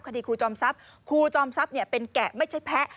คดีครูจอมทรัพย์ครูจอมทรัพย์เป็นแกะไม่ใช่แพ้